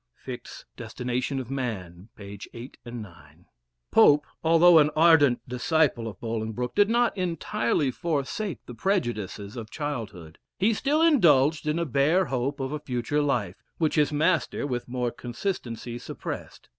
* Fichte's "Destination of Man," pp. 8, 9 Pope, although an ardent disciple of Bolingbroke, did not entirely forsake the prejudices of childhood; he still indulged in a bare hope of a future life, which his master, with more consistency, suppressed.